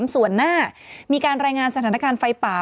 ส่วนหน้ามีการรายงานสถานการณ์ไฟป่า